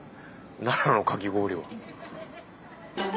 奈良のかき氷は。